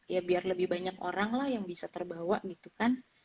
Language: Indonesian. ya biar lebih banyak orang lah yang bisa terbawa gitu kan